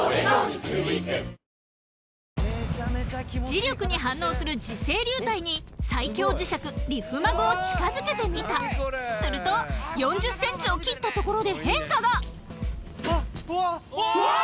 磁力に反応する磁性流体に最強磁石リフマグを近づけてみたすると４０ｃｍをきったところで変化があっうわっわあ！